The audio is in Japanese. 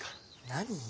何？